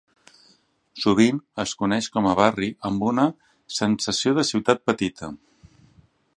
Sovint es coneix com a barri amb una "sensació de ciutat petita"